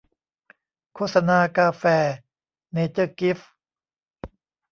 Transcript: โฆษณากาแฟ เนเจอร์กิ๊ฟ